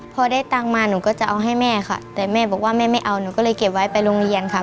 พอได้ตังค์มาหนูก็จะเอาให้แม่ค่ะแต่แม่บอกว่าแม่ไม่เอาหนูก็เลยเก็บไว้ไปโรงเรียนค่ะ